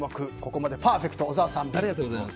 ここまでパーフェクト小沢さん、Ｂ。